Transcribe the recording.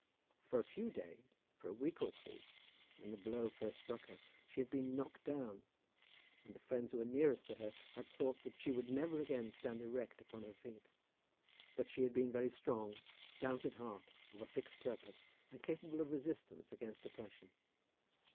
For a few days, for a week or two, when the blow first struck her, she had been knocked down, and the friends who were nearest to her had thought that she would never again stand erect upon her feet. But she had been very strong, stout at heart, of a fixed purpose, and capable of resistance against oppression.